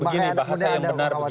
bahasa yang benar